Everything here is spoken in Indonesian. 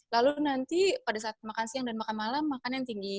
lalu nanti pada saat makan siang dan makan malam makan yang tinggi